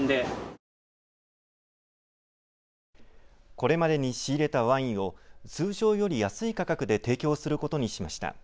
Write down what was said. これまでに仕入れたワインを通常より安い価格で提供することにしました。